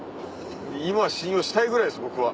今信用したいぐらいです僕は。